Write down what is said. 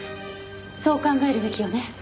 そう考えるべきよね。